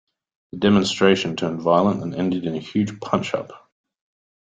The demonstration turned violent, and ended in a huge punch-up